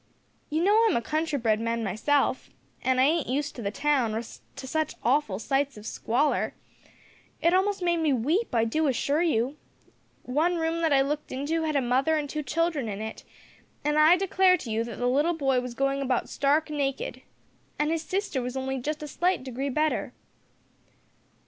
You know I'm a country bred man myself, and ain't used to the town, or to such awful sights of squalor. It almost made me weep, I do assure you. One room that I looked into had a mother and two children in it, and I declare to you that the little boy was going about stark naked, and his sister was only just a slight degree better."